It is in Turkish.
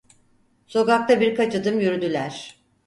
Sokakta birkaç adım yürüdüler.